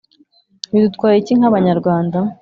bidutwaye iki nka banyarwanda?